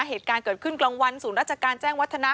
เหตุการณ์เกิดขึ้นกลางวันศูนย์ราชการแจ้งวัฒนะ